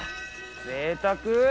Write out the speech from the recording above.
ぜいたく！